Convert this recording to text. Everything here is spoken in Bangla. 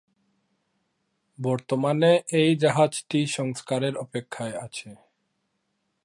বর্তমানে এই জাহাজটি সংস্কারের অপেক্ষায় আছে।